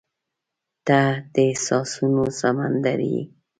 • ته د احساسونو سمندر یې.